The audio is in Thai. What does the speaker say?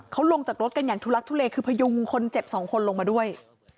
เขาลงจากรถกันอย่างทุลักทุเลคือพยุงคนเจ็บสองคนลงมาด้วย